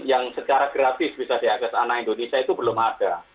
yang secara gratis bisa diakses anak indonesia itu belum ada